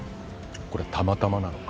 これ「たまたま」なのか？